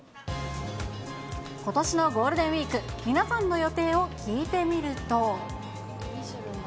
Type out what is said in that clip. ことしのゴールデンウィーク、皆さんの予定を聞いてみると。